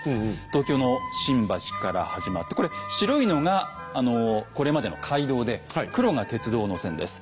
東京の新橋から始まってこれ白いのがこれまでの街道で黒が鉄道の線です。